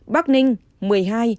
bắc ninh một mươi hai